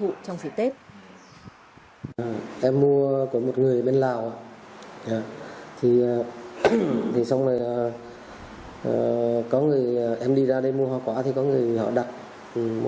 thụ trong dịp tết em mua của một người bên lào em đi ra đây mua hoa quả thì có người họ đặt mua